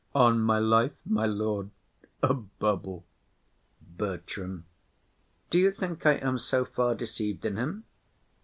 On my life, my lord, a bubble. BERTRAM. Do you think I am so far deceived in him?